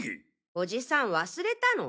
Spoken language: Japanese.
おじさん忘れたの？